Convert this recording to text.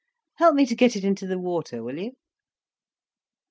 Help me to get it into the water, will you?"